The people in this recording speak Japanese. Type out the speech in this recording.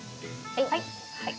はい。